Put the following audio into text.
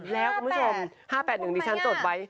แล้วคุณผู้ชม๕๘๑ดิฉันจดไว้